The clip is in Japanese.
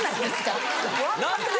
何で？